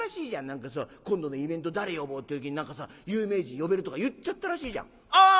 何かさ今度のイベント誰呼ぼうって時に何かさ有名人呼べるとか言っちゃったらしいじゃん」。